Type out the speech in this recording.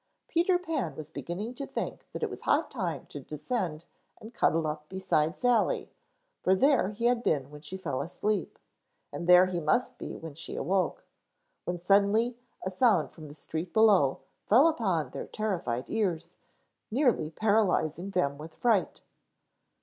Peter Pan was beginning to think that it was high time to descend and cuddle up beside Sally, for there he had been when she fell asleep, and there he must be when she awoke, when suddenly a sound from the street below fell upon their terrified ears, nearly paralyzing them with fright.